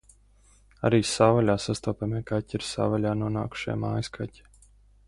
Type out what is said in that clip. Arī savvaļā sastopamie kaķi ir savvaļā nonākušie mājas kaķi.